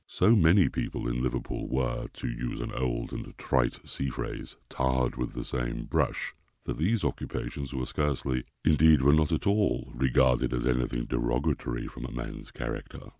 So many people in Liverpool were, to use an old and trite sea phrase, "tarred with the same brush" that these occupations were scarcely, indeed, were not at all, regarded as anything derogatory from a man's character.